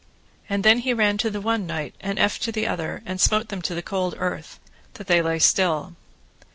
And then he ran to the one knight, and eft to the other, and smote them to the cold earth, that they lay still.